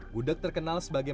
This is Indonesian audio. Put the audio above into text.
gudeg terkenal sebagai